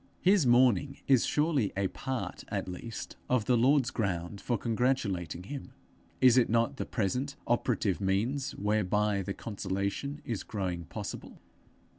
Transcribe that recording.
His mourning is surely a part at least of the Lord's ground for congratulating him: is it not the present operative means whereby the consolation is growing possible?